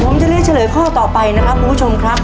ผมจะเลือกเฉลยข้อต่อไปนะครับคุณผู้ชมครับ